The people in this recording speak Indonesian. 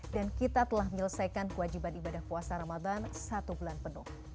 dan kita telah menyelesaikan kewajiban ibadah puasa ramadan satu bulan penuh